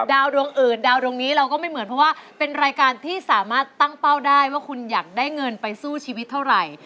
ดาวดวงอื่นดาวดวงนี้เราก็ไม่เหมือนเพราะว่าเป็นรายการที่สามารถตั้งเป้าได้ว่าคุณอยากได้เงินไปสู้ชีวิตเท่าไหร่